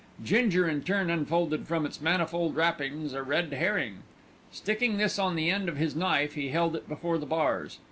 Ginger in turn unfolded from its manifold wrappings a red herring. Sticking this on the end of his knife he held it before the bars.